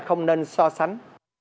không nên so sánh